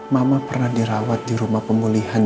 mama pernah dirawat di rumah pemulihan